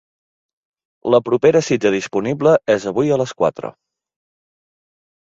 La propera cita disponible és avui a les quatre.